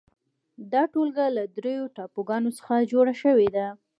دا ټولګه له درېو ټاپوګانو څخه جوړه شوې ده.